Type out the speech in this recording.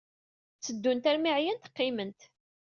Tteddunt armi ɛyant, qqiment.